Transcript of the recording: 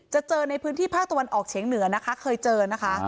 เจอในพื้นที่ภาคตะวันออกเฉียงเหนือนะคะเคยเจอนะคะ